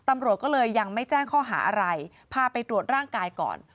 ตำรวจก็เลยยังไม่แจ้งข้อหาอะไรพาไปตรวจร่างกายก่อน